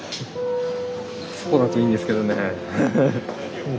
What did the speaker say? そうだといいんですけどね。